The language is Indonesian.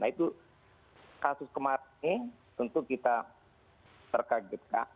nah itu kasus kematian tentu kita terkaget kak